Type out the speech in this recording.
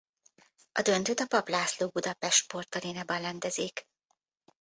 A döntőt a Papp László Budapest Sportarénában rendezik.